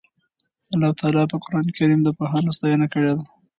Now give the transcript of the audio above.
الله تعالی په قرآن کې د پوهانو ستاینه کړې ده.